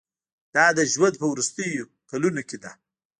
دا د ژوند په وروستیو کلونو کې ده.